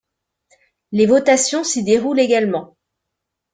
Les votations s'y déroulent également.